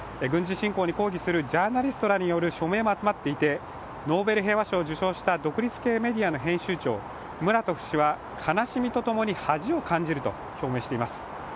軍事侵攻に抗議するジャーナリストらによる署名も集まっていて、ノーベル平和賞を受賞した独立系メディアの編集長、ムラトフ氏は、悲しみと共に恥を感じると表明しています。